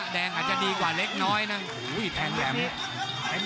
แรงอาจจะดีกว่าเล็กน้อยนะโอ้โหแรงแหลม